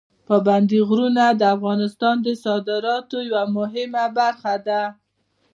پابندي غرونه د افغانستان د صادراتو یوه مهمه برخه ده.